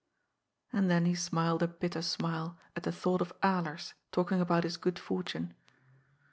And then he smiled a bitter smile at the thought of Alers talking about his good fortune.